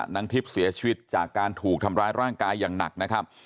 นางทิพย์เสียชีวิตจากการถูกทำร้ายร่างกายอย่างหนักนะครับ